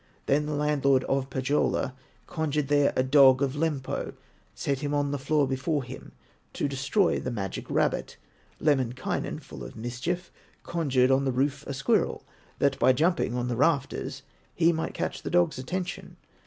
Then the landlord of Pohyola Conjured there a dog of Lempo, Set him on the floor before him To destroy the magic rabbit. Lemminkainen, full of mischief, Conjured on the roof a squirrel, That by jumping on the rafters He might catch the dog's attention.